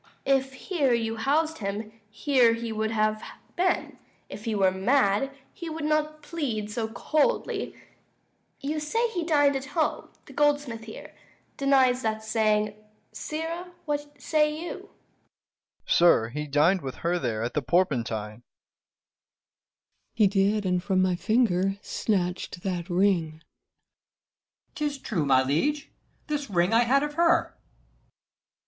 270 If here you housed him, here he would have been; If he were mad, he would not plead so coldly: You say he dined at home; the goldsmith here Denies that saying. Sirrah, what say you? Dro. E. Sir, he dined with her there, at the Porpentine. 275 Cour. He did; and from my finger snatch'd that ring. Ant. E. 'Tis true, my liege; this ring I had of her.